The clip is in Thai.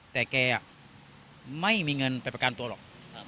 แต่แกไม่มีเงินไปประกันตัวหรอก